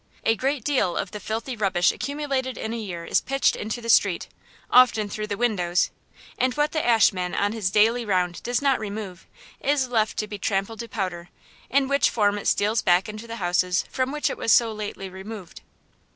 A great deal of the filthy rubbish accumulated in a year is pitched into the street, often through the windows; and what the ashman on his daily round does not remove is left to be trampled to powder, in which form it steals back into the houses from which it was so lately removed.